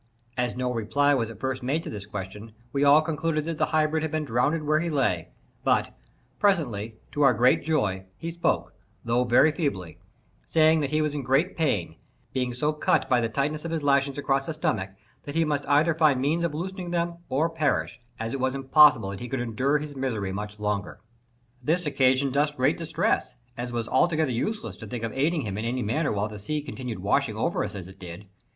As no reply was at first made to this question, we all concluded that the hybrid had been drowned where he lay; but presently, to our great joy, he spoke, although very feebly, saying that he was in great pain, being so cut by the tightness of his lashings across the stomach, that he must either find means of loosening them or perish, as it was impossible that he could endure his misery much longer. This occasioned us great distress, as it was altogether useless to think of aiding him in any manner while the sea continued washing over us as it did.